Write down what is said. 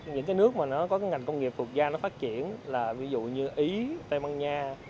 những cái nước mà nó có cái ngành công nghiệp phục gia nó phát triển là ví dụ như ý tây ban nha